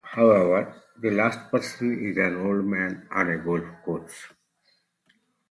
However, the last person is an old man on a golf course.